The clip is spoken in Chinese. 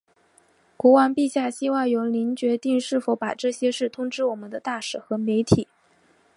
国王陛下希望由您决定是否把这些事通知我们的大使和媒体。